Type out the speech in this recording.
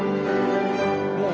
もう